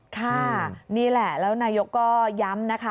ค่ะนี่แหละแล้วนายกก็ย้ำนะคะ